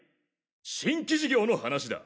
新規事業の話だ！